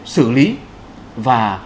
xử lý và